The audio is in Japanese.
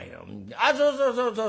あっそうそうそうそうそう。